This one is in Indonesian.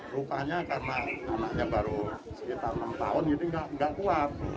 rupanya karena anaknya baru sekitar enam tahun jadi nggak kuat